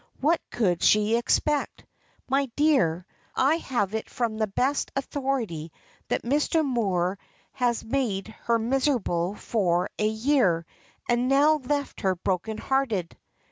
what could she expect? My dear, I have it from the best authority, that Mr. Moor has made her miserable for a year, and now left her broken hearted."